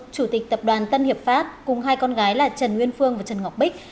chủ tịch tập đoàn tân hiệp pháp cùng hai con gái là trần nguyên phương và trần ngọc bích